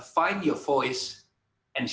carilah suara anda